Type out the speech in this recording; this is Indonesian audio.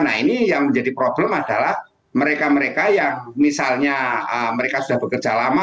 nah ini yang menjadi problem adalah mereka mereka yang misalnya mereka sudah bekerja lama